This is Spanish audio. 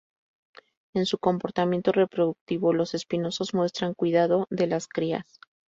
En su comportamiento reproductivo, los espinosos muestran cuidado de las crías.